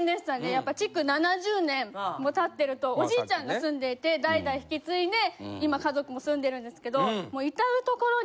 やっぱ築７０年も経ってるとおじいちゃんが住んでいて代々引き継いで今家族も住んでるんですけど。